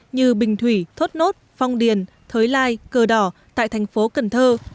như bình thủy thốt nốt phong điền thới lai cờ đỏ tại thành phố cần thơ